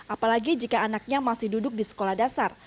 apalagi jika anaknya masih duduk di sekolah dasar